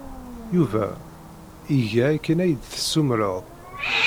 Yuba iga akken ay d-tessumreḍ.